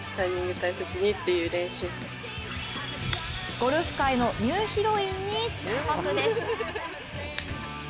ゴルフ界のニューヒロインに注目です。